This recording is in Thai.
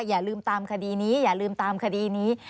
อย่าลืมตามคดีนี้อย่าลืมตามคดีนี้